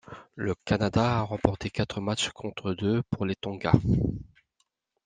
Le Canada a remporté quatre matchs contre deux pour les Tonga.